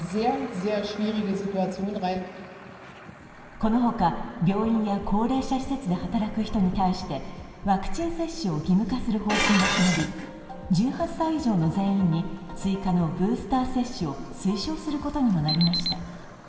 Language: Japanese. このほか病院や高齢者施設で働く人に対してワクチン接種を義務化する方針も決まり、１８歳以上の全員に追加のブースター接種を推奨することにもなりました。